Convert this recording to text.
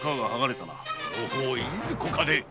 その方いずこかで？